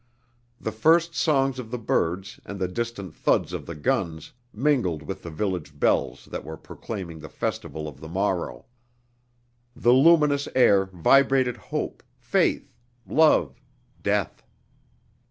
The first songs of the birds and the distant thuds of the guns mingled with the village bells that were proclaiming the festival of the morrow. The luminous air vibrated hope, faith, love, death.